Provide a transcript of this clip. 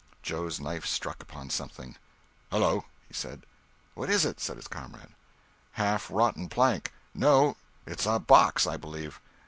Joe's knife struck upon something. "Hello!" said he. "What is it?" said his comrade. "Half rotten plank—no, it's a box, I believe.